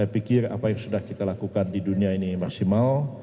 saya pikir apa yang sudah kita lakukan di dunia ini maksimal